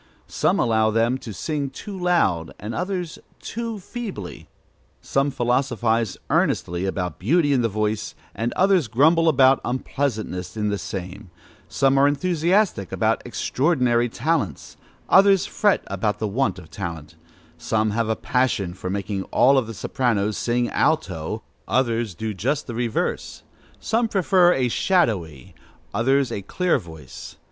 Some allow them to sing too loud, others too feebly; some philosophize earnestly about beauty in the voice, and others grumble about unpleasantness in the same; some are enthusiastic about extraordinary talents, others fret about the want of talent; some have a passion for making all the sopranos sing alto, others do just the reverse; some prefer a shadowy, others a clear voice.